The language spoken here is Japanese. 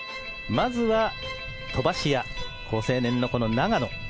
まずは飛ばし屋好青年のこの永野。